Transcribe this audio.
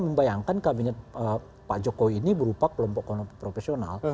membayangkan kabinet pak jokowi ini berupa kelompok kelompok profesional